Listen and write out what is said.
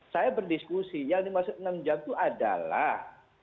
saya berdiskusi yang dimaksud enam jam itu adalah